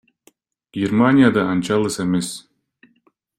Германия да анча алыс эмес.